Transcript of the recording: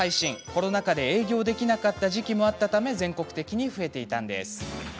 コロナ禍で営業できなかった時期もあったため全国的に増えていたんです。